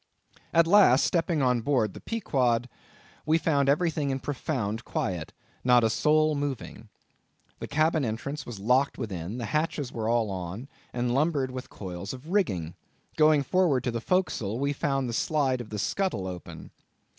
At last, stepping on board the Pequod, we found everything in profound quiet, not a soul moving. The cabin entrance was locked within; the hatches were all on, and lumbered with coils of rigging. Going forward to the forecastle, we found the slide of the scuttle open.